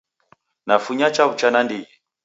Nafunya chaw'ucha nandighi